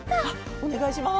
おねがいします。